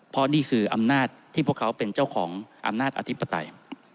เพราะนี่คืออำนาจที่พวกเขาเป็นเจ้าของอำนาจอธิปไตย